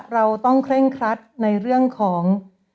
เราต้องเคร่งครัดในเรื่องของ